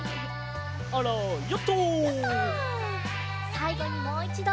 さいごにもういちど。